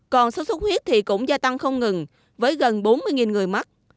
còn suốt suốt huyết thì cũng gia tăng không ngừng với gần bốn mươi người mắc